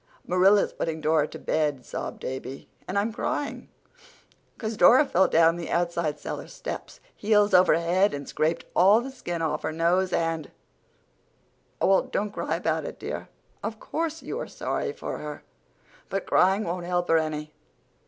"Marilla's putting Dora to bed," sobbed Davy, "and I'm crying 'cause Dora fell down the outside cellar steps, heels over head, and scraped all the skin off her nose, and—" "Oh, well, don't cry about it, dear. Of course, you are sorry for her, but crying won't help her any.